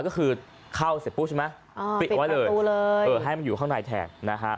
ก็คือเข้าเสร็จปุ๊บใช่ไหมปิดเอาไว้เลยเออให้มันอยู่ข้างในแทนนะฮะ